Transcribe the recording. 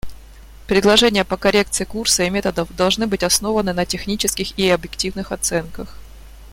Предложения по коррекции курса и методов должны быть основаны на технических и объективных оценках.